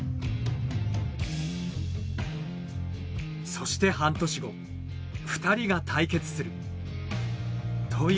そして半年後２人が対決するというストーリーです。